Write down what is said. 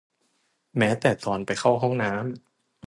แม้แต่ตอนไปเข้าห้องน้ำ